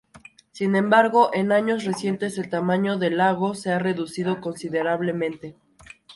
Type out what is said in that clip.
Sin embargo, en años recientes el tamaño del lago se ha reducido considerablemente.